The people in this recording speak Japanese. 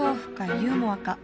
ユーモアか？